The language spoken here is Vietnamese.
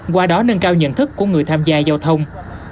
qua đó nâng cao nhận thức của người tham gia giao thông